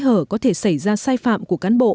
hở có thể xảy ra sai phạm của cán bộ